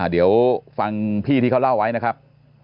เดี๋ยวฟังพี่ที่เขาเล่าไว้นะครับ